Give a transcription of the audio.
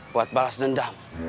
buat balas dendam